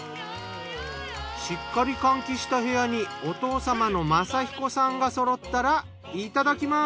しっかり換気した部屋にお父様の雅彦さんがそろったらいただきます。